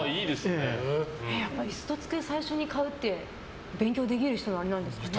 やっぱり椅子と机を最初に買うって勉強できる人なんですかね。